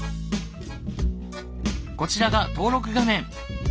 こちらが登録画面。